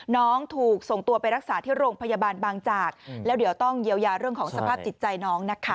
น้องถูกส่งตัวไปรักษาที่โรงพยาบาลบางจากแล้วเดี๋ยวต้องเยียวยาเรื่องของสภาพจิตใจน้องนะคะ